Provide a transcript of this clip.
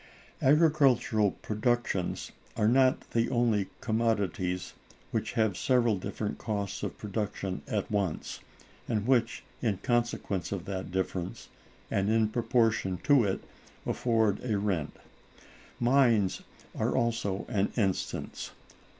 Agricultural productions are not the only commodities which have several different costs of production at once, and which, in consequence of that difference, and in proportion to it, afford a rent. Mines are also an instance.